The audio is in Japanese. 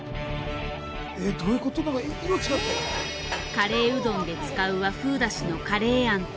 カレーうどんで使う和風だしのカレー餡と。